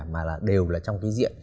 mà là đều là trong cái diện